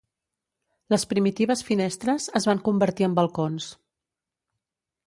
Les primitives finestres es van convertir en balcons.